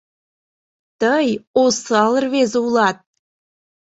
Тый осал рвезе улат!